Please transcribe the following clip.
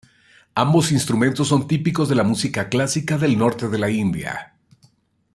Ambos instrumentos son típicos de la música clásica del norte de la India.